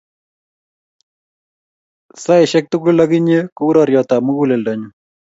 saiasiek tugul ak inye ko u rariet ab muguleldo nyu